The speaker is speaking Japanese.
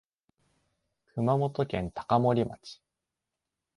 熊本県高森町